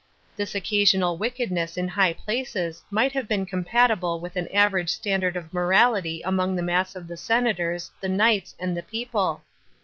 This occasional wicked ness in high places might have been compatible with an average standard of morality among the mass of the senators, the knights, and t"6 people.